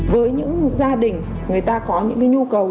với những gia đình người ta có những nhu cầu